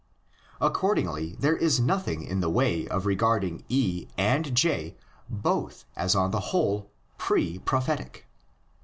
Accordingly there is nothing in the way of regarding E and J both as on the whole "pre Prophetic."